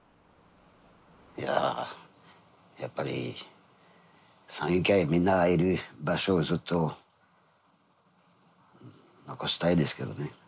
いややっぱり山友会みんながいる場所をずっと残したいですけどね。